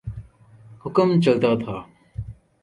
حکم چلتا تھا۔